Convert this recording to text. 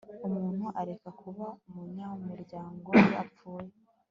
Umuntu areka kuba umunyamuryango iyo apfuye